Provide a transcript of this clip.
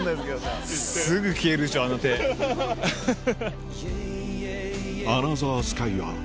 すぐ消えるじゃんあの手アハハハ。